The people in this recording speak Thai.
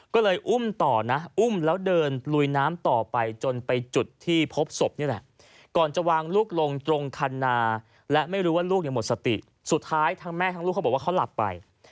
ก็เลยอุ้มต่อนะอุ้มแล้วเดินลุยน้ำต่อไปจนไปจุดที่พบศพนี่แหละ